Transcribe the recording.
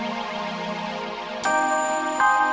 kalau lu gak keluar